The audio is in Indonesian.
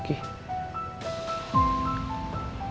gak diangkat lagi